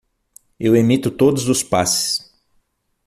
Eu emito todos os passes.